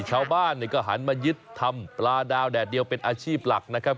ชาวบ้านก็หันมายึดทำปลาดาวแดดเดียวเป็นอาชีพหลักนะครับ